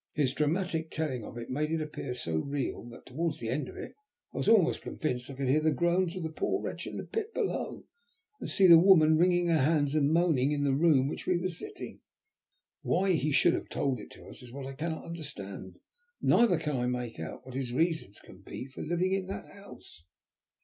His dramatic telling of it made it appear so real that towards the end of it I was almost convinced that I could hear the groans of the poor wretch in the pit below, and see the woman wringing her hands and moaning in the room in which we were sitting. Why he should have told it to us is what I cannot understand, neither can I make out what his reasons can be for living in that house."